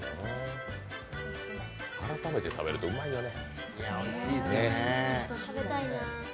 改めて食べるとうまいよね。